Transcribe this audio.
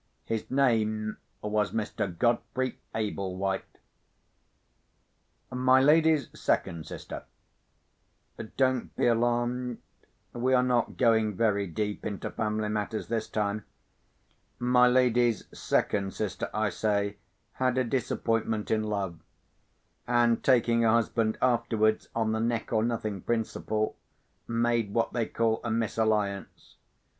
His name was Mr. Godfrey Ablewhite. My lady's second sister (don't be alarmed; we are not going very deep into family matters this time)—my lady's second sister, I say, had a disappointment in love; and taking a husband afterwards, on the neck or nothing principle, made what they call a misalliance.